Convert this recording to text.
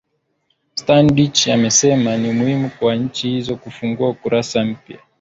stadich amesema ni muhimu kwa nch hizo kufungua ukurasa mpya